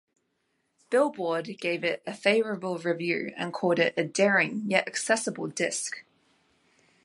Billboard' gave it a favorable review and called it "a daring yet accessible disc".